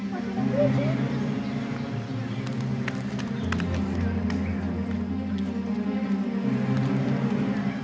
masukkan dulu aja